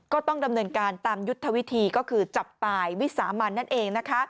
ก็ต้องดำเนินการตามยุทธวิธีก็คือจับตายวิสามันนั่นเองนะคะ